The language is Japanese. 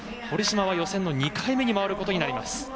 堀島は予選の２回目に回ることになります。